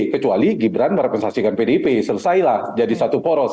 kecuali gibran merepensasikan pdp selesailah jadi satu poros